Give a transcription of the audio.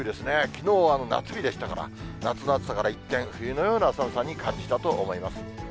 きのうは夏日でしたから、夏の暑さから一転、冬のような寒さに感じたと思います。